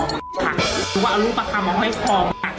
หรือว่าเอารูปภาพมองให้คอมแปลกไหม